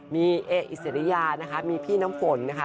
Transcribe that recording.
มีเอออิสริยานะคะมีพี่น้ำฝนนะคะ